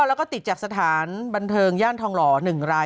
แล้วก็ติดจากสถานบันเทิงย่านทองหล่อ๑ราย